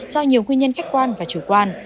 do nhiều nguyên nhân khách quan và chủ quan